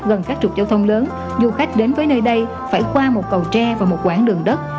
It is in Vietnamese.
gần các trục giao thông lớn du khách đến với nơi đây phải qua một cầu tre và một quãng đường đất